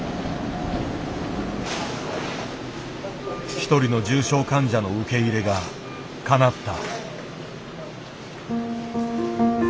１人の重症患者の受け入れがかなった。